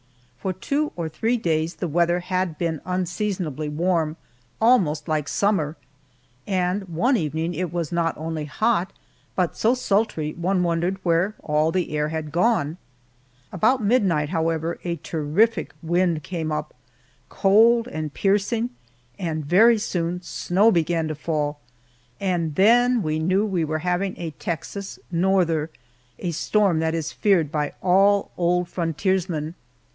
For two or three days the weather had been unseasonably warm almost like summer and one evening it was not only hot, but so sultry one wondered where all the air had gone. About midnight, however, a terrific wind came up, cold and piercing, and very soon snow began to fall, and then we knew that we were having a "Texas norther," a storm that is feared by all old frontiersmen.